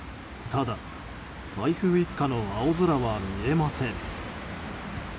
ただ、台風一過の青空は見えません。